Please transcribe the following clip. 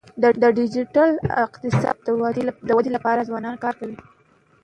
د ډیجیټل اقتصاد د ودی لپاره ځوانان کار کوي.